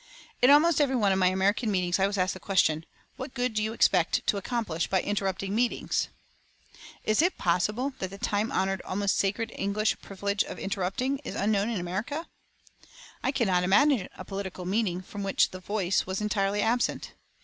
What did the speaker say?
In almost every one of my American meetings I was asked the question, "What good do you expect to accomplish by interrupting meetings?" Is it possible that the time honoured, almost sacred English privilege of interrupting is unknown in America? I cannot imagine a political meeting from which "the Voice" was entirely absent.